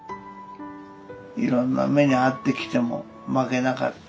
いろんな目に遭ってきても負けなかった。